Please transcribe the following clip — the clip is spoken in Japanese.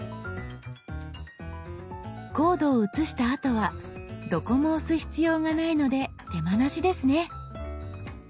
コードを写したあとはどこも押す必要がないので手間なしですね。